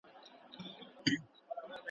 زما له انګړه جنازې در پاڅي.